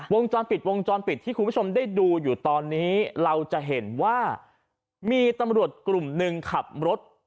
วงจรปิดวงจรปิดที่คุณผู้ชมได้ดูอยู่ตอนนี้เราจะเห็นว่ามีตำรวจกลุ่มหนึ่งขับรถ